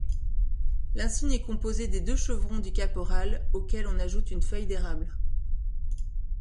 L'insigne est composé des deux chevrons du caporal auxquels on ajoute une feuille d'érable.